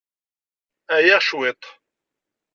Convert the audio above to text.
Ɛyiɣ cwiṭ.